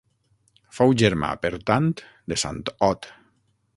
Fou germà, per tant, de Sant Ot.